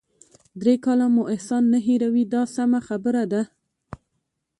درې کاله مو احسان نه هیروي دا سمه خبره ده.